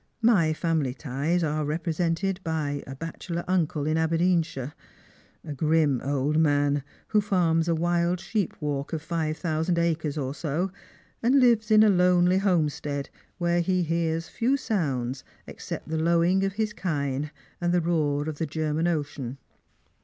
" My family ties are represented by a bachelor uncle in Aberdeenshire — a grim old man, who firms a wild sheep walk of five thousand acres or so, and lives in a lonely homestead, where he hears few sounds except the lowing of his kiue and the roar of the German Ocean.